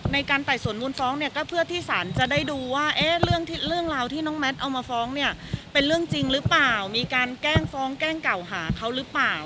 ในการไต่สวนมูลฟ้องเนี่ยก็เพื่อที่สารจะได้ดูว่าเรื่องราวที่น้องแมทเอามาฟ้องเนี่ยเป็นเรื่องจริงหรือเปล่ามีการแกล้งฟ้องแกล้งเก่าหาเขาหรือเปล่า